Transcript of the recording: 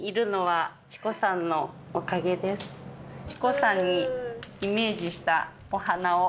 智子さんにイメージしたお花を。